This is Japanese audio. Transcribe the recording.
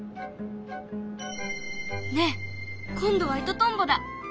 ねえ今度はイトトンボだ。